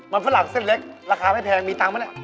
มันฝรั่งเส้นเล็กราคาไม่แพงมีตังค์ไหมเนี่ย